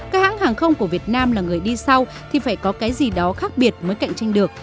các hãng hàng không của việt nam là người đi sau thì phải có cái gì đó khác biệt mới cạnh tranh được